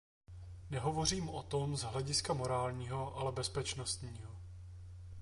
Nehovořím o tom z hlediska morálního, ale bezpečnostního.